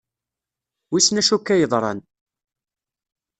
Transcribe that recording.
Wissen acu akka yeḍran.